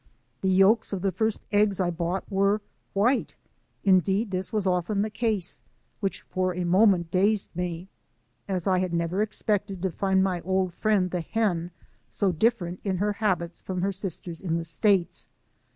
The yelks of the first eggs I bought were white — indeed, this was often the case, — which for a moment dazed me, as I had never expected to find my old friend, the hen, so different in her habits from her sisters in the States.